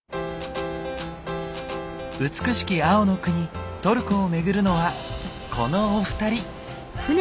美しき青の国トルコをめぐるのはこのお二人！